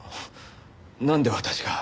なんで私が？